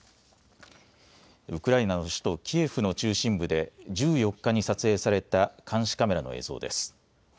ウクライナの首都キエフの中心部で１４日に撮影された監視カメラの映像です。